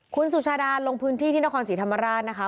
คุณสุชาดานลงพื้นที่นของศรีธรรมรรณนะคะ